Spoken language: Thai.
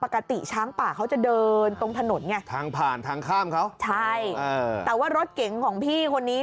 ปกติช้างป่าจะเดินตังถนน